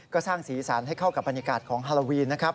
ก็สร้างสีสันให้เข้ากับบรรยากาศของฮาโลวีนนะครับ